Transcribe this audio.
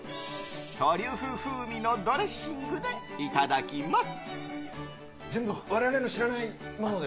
トリュフ風味のドレッシングでいただきます。